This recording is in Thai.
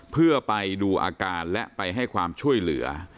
เพื่อไปดูอาการและไปให้ความช่วยเหลือ